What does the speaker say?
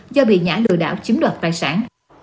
do bị nhã lừa đảo chiếm đoạt tài sản